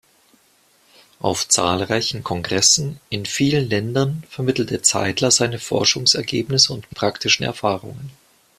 Auf zahlreichen Kongressen in vielen Ländern vermittelte Zeitler seine Forschungsergebnisse und praktischen Erfahrungen.